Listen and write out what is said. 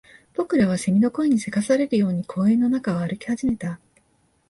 僕らは蝉の声に急かされるように公園の中を歩き始めた